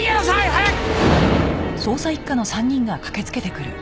早く！